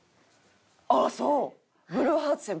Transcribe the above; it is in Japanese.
ああそう？